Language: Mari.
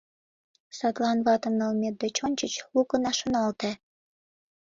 Садлан ватым налмет деч ончыч лу гына шоналте.